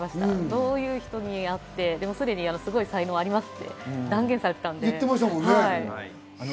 どういう人に会って、でも、すでにすごい才能がありますって断言されてたので。